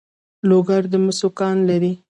لوګر د مسو کان لري